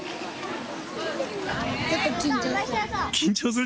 ちょっと緊張する。